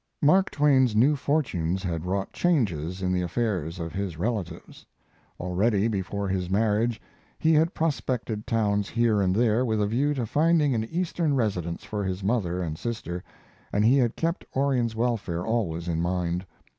Mark Twain's new fortunes had wrought changes in the affairs of his relatives. Already, before his marriage, he had prospected towns here and there with a view to finding an Eastern residence for his mother and sister, and he had kept Orion's welfare always in mind.